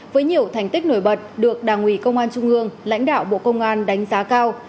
với nhiều thành tích nổi bật được đảng ủy công an trung ương lãnh đạo bộ công an đánh giá cao